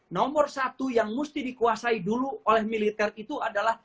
nomor satu yang mesti dikuasai dulu oleh militer itu adalah